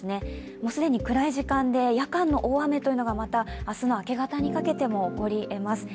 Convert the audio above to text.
もう既にくらい時間で夜間の大雨というのが明日の明け方にかけてもありえます。